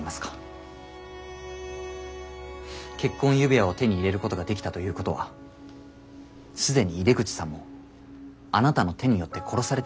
結婚指輪を手に入れることができたということは既に井出口さんもあなたの手によって殺されているのではないですか？